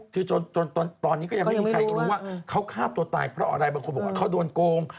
คือจนตอนนี้ก็ยังไม่มีใครรู้ว่าเขาฆ่าตัวตายเพราะอะไรบางคนบอกว่าเขาโดนโกง